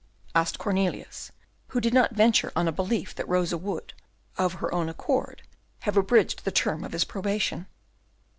asked Cornelius, who did not venture on a belief that Rosa would, of her own accord, have abridged the term of his probation.